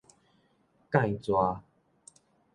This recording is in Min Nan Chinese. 間逝